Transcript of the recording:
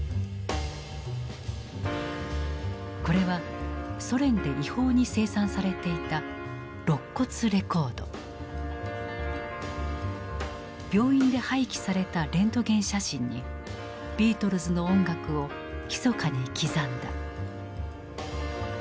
これはソ連で違法に生産されていた病院で廃棄されたレントゲン写真にビートルズの音楽をひそかに刻んだ。